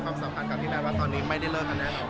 แล้วความสำคัญกับที่น่าว่าตอนนี้ไม่ได้เลิกแล้วเนี่ย